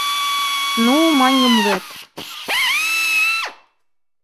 — Ну, маньым вет!